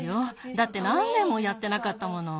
だってなん年もやってなかったもの。